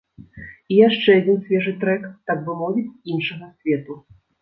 І яшчэ адзін свежы трэк, так бы мовіць, з іншага свету.